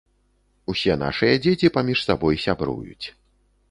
Усе нашыя дзеці паміж сабой сябруюць.